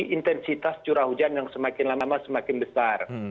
intensitas curah hujan yang semakin lama semakin besar